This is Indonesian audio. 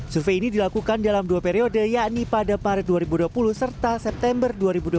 survei ini dilakukan dalam dua periode yakni pada maret dua ribu dua puluh serta september dua ribu dua puluh